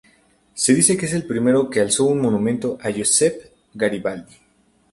Se dice que es el primero que alzó un monumento a Giuseppe Garibaldi.